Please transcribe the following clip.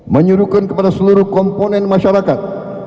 menyuruhkan kepada seluruh komponen masyarakat